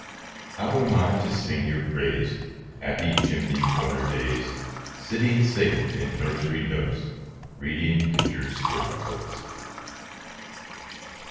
How am I to sing your praise, Happy chimney corner days, Sitting safe in nursery nooks, Reading picture story books?